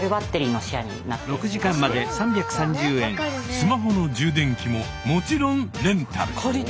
スマホの充電器ももちろんレンタル。